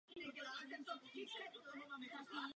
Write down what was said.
To je odlišný termín.